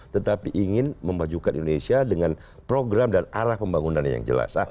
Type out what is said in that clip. tetapi ingin memajukan indonesia dengan program dan arah pembangunan yang jelas